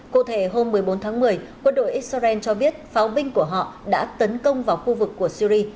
cụ thể hôm một mươi bốn tháng một mươi quân đội israel cho biết pháo binh của họ đã tấn công vào khu vực của syri